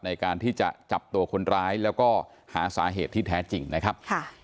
ในการที่จะจับตัวคนร้ายแล้วก็หาสาเหตุที่แท้จริงนะครับ